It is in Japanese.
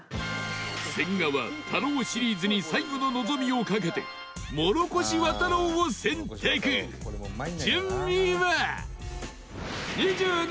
千賀は太郎シリーズに最後の望みをかけてもろこし輪太郎を選択順位は？